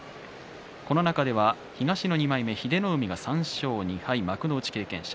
この中では東の２枚目の英乃海が３勝２敗、幕内経験者。